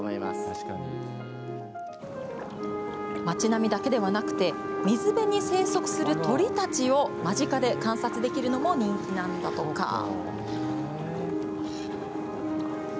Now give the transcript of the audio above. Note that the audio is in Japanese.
町並みだけでなく水辺に生息する鳥たちを間近で観察できるのも人気なんだとか。